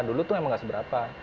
dulu tuh emang gak seberapa